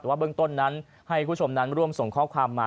ว่าเบื้องต้นนั้นให้คุณผู้ชมนั้นร่วมส่งข้อความมา